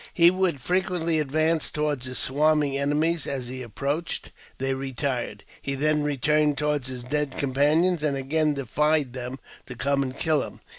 He would frequently advance towards his swarming enemies ; as he approached, they retired. He then returned toward his dead companions, and again defied them to come eir^ es. itl| I JAMES P. BECKWOUBTH. 235 and kill him.